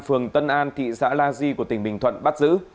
phường tân an thị xã la di của tỉnh bình thuận bắt giữ